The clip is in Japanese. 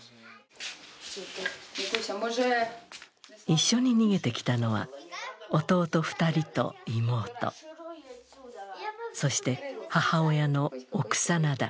一緒に逃げてきたのは弟２人と妹そして母親のオクサナだ。